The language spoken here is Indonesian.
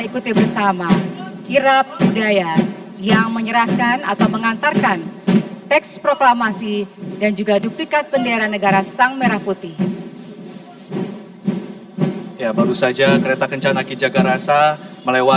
kembali menaiki kereta kencana ki jagarasa